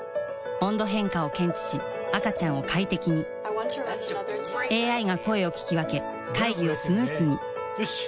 温度変化を検知し赤ちゃんを快適にＡＩが声を聞き分け会議をスムースによし！